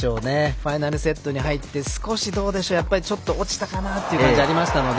ファイナルセットに入って少しちょっと落ちたかなという感じありましたので。